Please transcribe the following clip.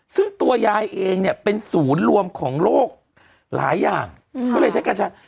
ซึ่งตัวยายเองเนี่ยเป็นศูนย์รวมของโลกหลายอย่างก็เลยใช้กัญชา